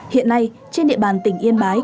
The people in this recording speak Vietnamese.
hiện nay trên địa bàn tỉnh yên bái